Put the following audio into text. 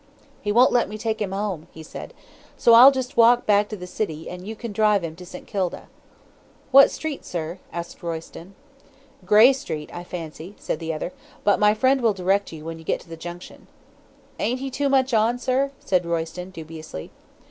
"'He won't let me take him home,' he said, 'so I'll just walk back to the city, and you can drive him to St. Kilda.' "'What street, sir?' asked Royston. "'Grey Street, I fancy,' said the other, 'but my friend will direct you when you get to the Junction.' "'Ain't he too much on, sir?' said Royston, dubiously.